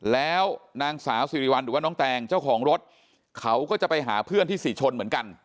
แล้วนางสาวสิริวัลหรือว่าน้องแตงเจ้าของรถเขาก็จะไปหาเพื่อนที่ศรีชนเหมือนกัน